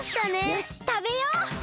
よしたべよう！